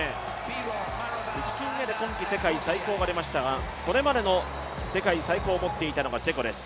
１組目で今季最高が出ましたが、それまでの世界最高を持っていたのがチェコです。